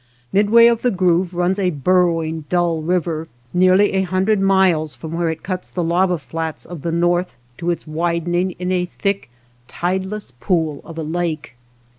Midway of the groove runs a burrowing, dull river, nearly a hundred miles from where it cuts the lava flats of the north to its widening in a thick, tide less pool of a lake.